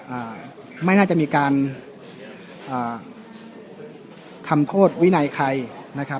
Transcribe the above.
อ่าไม่น่าจะมีการอ่าทำโทษวินัยใครนะครับ